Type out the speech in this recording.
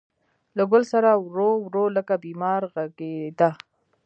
له ګل ســـــــره ورو، ورو لکه بیمار غـــــــږېده